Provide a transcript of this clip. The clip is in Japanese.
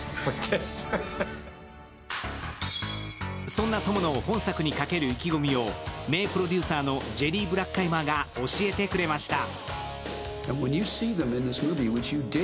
そんなトムの本作に懸ける意気込みを名プロデューサーのジェリー・ブラッカイマーが教えてくれました。